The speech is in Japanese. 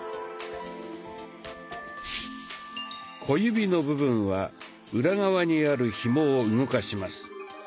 小指の部分は裏側にあるひもを動かします。